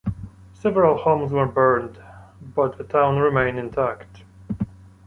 Several homes were burned, but the town remained intact.